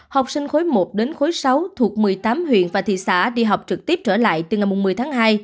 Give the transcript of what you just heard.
học sinh khối một đến khối sáu thuộc một mươi tám huyện và thị xã đi học trực tiếp trở lại từ ngày một mươi tháng hai